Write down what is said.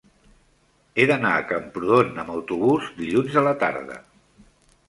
He d'anar a Camprodon amb autobús dilluns a la tarda.